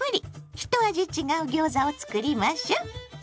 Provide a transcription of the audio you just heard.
一味違うギョーザを作りましょ。